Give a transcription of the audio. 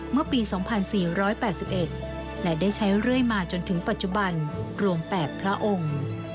เมื่อปี๒๔๘๑และได้ใช้เรื่อยมาจนถึงปัจจุบันรวม๘พระองค์